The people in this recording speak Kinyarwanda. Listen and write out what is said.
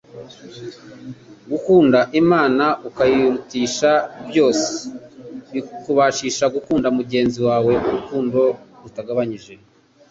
Gukunda Imana ukayirutisha byose bikubashisha gukunda mugenzi wawe urukundo rutagabanije.